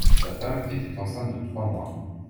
Sa femme était enceinte de trois mois.